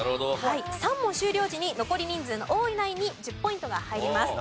３問終了時に残り人数の多いナインに１０ポイントが入ります。